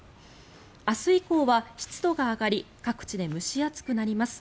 明日以降は湿度が上がり各地で蒸し暑くなります。